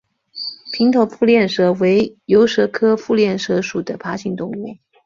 平头腹链蛇为游蛇科腹链蛇属的爬行动物。